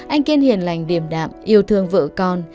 anh kiên hiền lành điểm đạm yêu thương vợ con